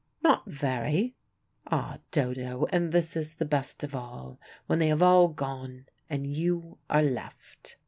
"Not very. Ah, Dodo, and this is the best of all, when they have all gone, and you are left."